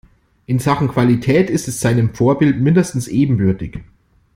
In Sachen Qualität ist es seinem Vorbild mindestens ebenbürtig.